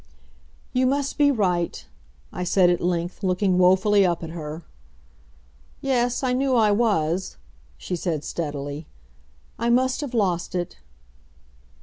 "You must be right," I said at length, looking woefully up at her. "Yes; I knew I was," she said steadily. "I must have lost it."